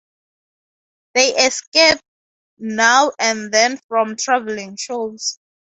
They escape now and then from travelling shows.